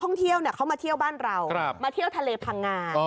เค้ามาเที่ยวบ้านเรามาเที่ยวทะเลพังงาน